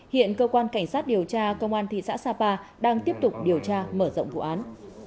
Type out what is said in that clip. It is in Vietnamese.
hiện cơ quan cảnh sát điều tra công an thị xã sapa đang tiếp tục điều tra mở rộng vụ án